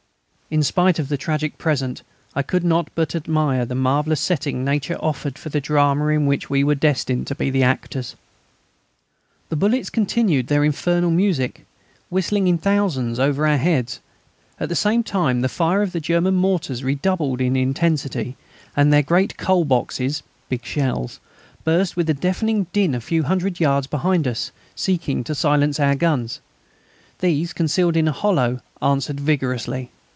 In spite of the tragic present I could not but admire the marvellous setting Nature offered for the drama in which we were destined to be the actors. The bullets continued their infernal music, whistling in thousands over our heads. At the same time the fire of the German mortars redoubled in intensity, and their great "coal boxes" (big shells) burst with a deafening din a few hundred yards behind us, seeking to silence our guns. These, concealed in a hollow, answered vigorously.